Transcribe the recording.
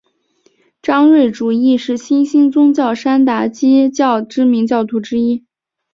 张瑞竹亦是新兴宗教山达基教知名教徒之一。